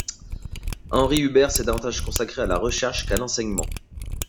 Henri Hubert s'est davantage consacré à la recherche qu'à l'enseignement.